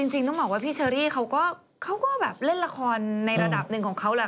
จริงต้องบอกว่าพี่เชอรี่เขาก็แบบเล่นละครในระดับหนึ่งของเขาแหละ